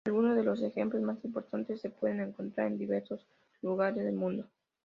Algunos de los ejemplos más importantes se pueden encontrar en diversos lugares del mundo.